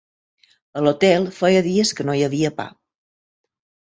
A l'hotel feia dies que no hi havia pa